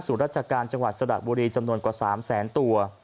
ราชการจังหวัดสระบุรีจำนวนกว่า๓แสนตัว